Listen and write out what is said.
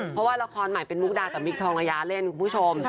เพราะว่าละครใหม่เป็นมุกดากับมิคทองระยะเล่นคุณผู้ชม